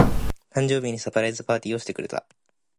誕生日にサプライズパーティーをしてくれた。